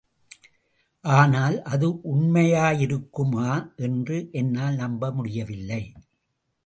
ஆனால், அது உண்மையாயிருக்குமா என்று என்னால் நம்ப முடியவில்லை.